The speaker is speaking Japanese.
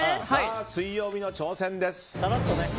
水曜日の挑戦です！